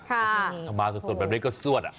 ถ้ามาสดแบบนี้ก็ซวด